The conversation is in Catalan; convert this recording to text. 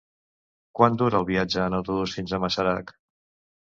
Quant dura el viatge en autobús fins a Masarac?